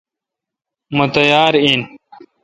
مہ تیار ہو۔